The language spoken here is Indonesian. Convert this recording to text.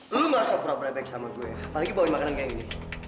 lo gak usah berabra baik sama gue apalagi bawain makanan kayak gini